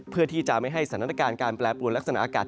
เพื่อที่จะไม่ให้สถานการณ์การแปรปวนลักษณะอากาศ